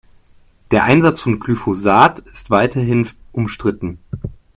Der Einsatz von Glyphosat ist weiterhin umstritten.